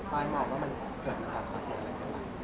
ป้ายมองว่ามันเกิดมาจากสถานีอะไรครับ